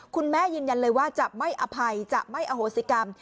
ยืนยันเลยว่าจะไม่อภัยจะไม่อโหสิกรรม